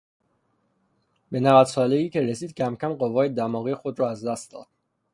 به نود سالگی که رسید کمکم قوای دماغی خود را از دست داد.